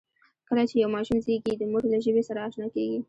کله چې یو ماشوم زېږي، د مور له ژبې سره آشنا کېږي.